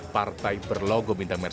partai berlogo bintang menarik